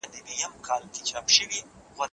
زموږ پخوانیو پاچاهانو تل د پراختیا فکر درلود.